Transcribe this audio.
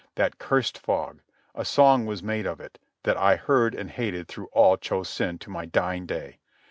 That cursed fog! A song was made of it, that I heard and hated through all Cho Sen to my dying day.